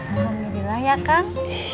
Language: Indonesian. alhamdulillah ya kang